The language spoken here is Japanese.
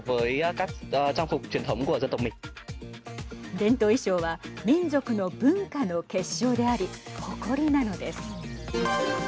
伝統衣装は民族の文化の結晶であり誇りなのです。